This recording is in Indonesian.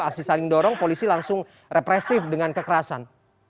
aksi saling dorong polisi langsung represif dengan kekerasan